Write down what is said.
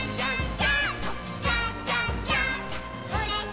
ジャンプ！！